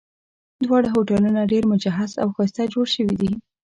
دواړه هوټلونه ډېر مجهز او ښایسته جوړ شوي دي.